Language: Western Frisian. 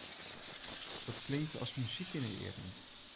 Dat klinkt as muzyk yn 'e earen.